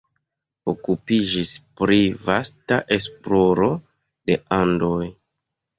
Okupiĝis pri vasta esploro de Andoj.